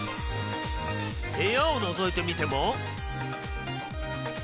部屋をのぞいてみても。